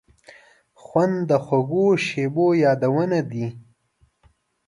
خوند د خوږو شیبو یادونه دي.